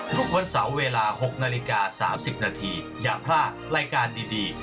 ทุกวันเสาร์เวลา๖นาฬิกา๓๐นาทีอย่าพลาดรายการดี